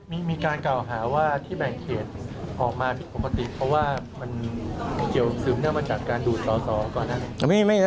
มีการเก่าหาว่าที่แบ่งเขตของมาถูกปกติเพราะว่ามันเกี่ยวซึมนั่นมาจากการดูดก่อนนั้น